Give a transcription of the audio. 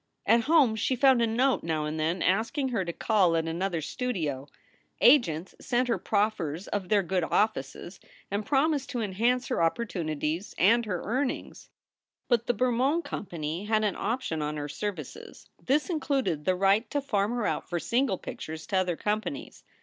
At home she found a note now and then asking her to call at another studio. Agents sent her proffers of their good offices and promised to enhance her opportunities and her earnings. But the Bermond Company had an option on her services. This included the right to farm her out for single pictures to other companies.